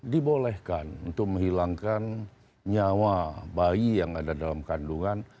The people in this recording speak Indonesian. dibolehkan untuk menghilangkan nyawa bayi yang ada dalam kandungan